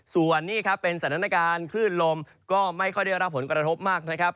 ส่วนนี่ครับเป็นสถานการณ์คลื่นลมก็ไม่ค่อยได้รับผลกระทบมากนะครับ